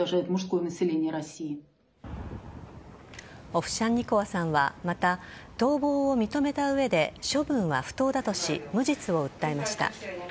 オフシャンニコワさんはまた逃亡を認めた上で処分は不当だとし無実を訴えました。